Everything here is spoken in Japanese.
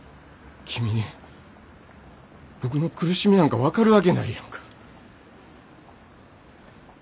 君に僕の苦しみなんか分かるわけないやんか。